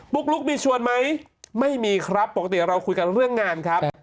ลุ๊กมีชวนไหมไม่มีครับปกติเราคุยกันเรื่องงานครับ